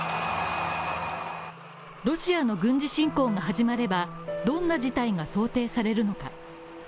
ロシアの軍事侵攻が始まればどんな事態が想定されるのか。